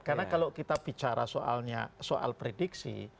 karena kalau kita bicara soalnya soal prediksi